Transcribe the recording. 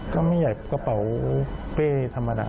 ก็ไม่อยากกระเป๋าเป้ธรรมดา